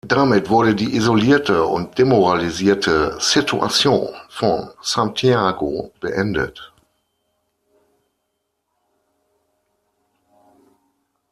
Damit wurde die isolierte und demoralisierte Situation von Santiago beendet.